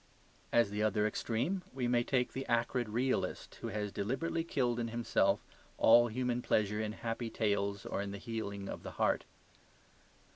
As the other extreme, we may take the acrid realist, who has deliberately killed in himself all human pleasure in happy tales or in the healing of the heart.